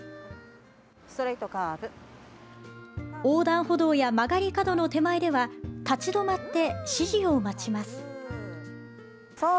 横断歩道や曲がり角の手前では立ち止まって指示を待ちます。